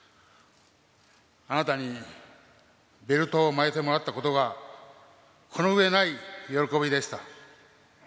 あなたにベルトを巻いてもらったことが、この上ない喜びでした。